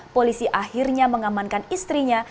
polisi akhirnya mengamankan istrinya